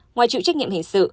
ngoài chịu trách nhiệm hình sự